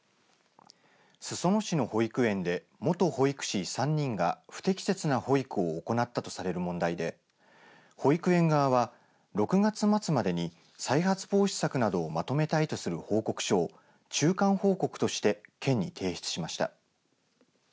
裾野市の保育園で元保育士３人が不適切な保育を行ったとされる問題で保育園側は６月末までに再発防止策などをまとめたいとする報告書を中間報告として県に提出しました。